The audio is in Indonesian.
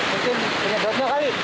mungkin penyebabnya kali